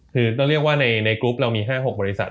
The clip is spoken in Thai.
คือต้องเรียกว่าในกรุ๊ปเรามี๕๖บริษัท